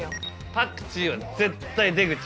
パクチーは絶対出口ない。